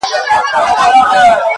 ورور د وجدان جګړه کوي دننه,